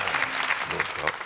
どうですか？